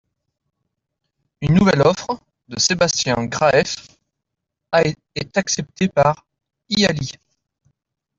Une nouvelle offre, de Sébastien Graeff, est acceptée par Hilali.